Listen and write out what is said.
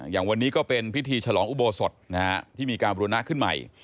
อย่างวันนี้ก็เป็นพิธีฉลองอุโบสถที่มีการบุรณะขึ้นใหม่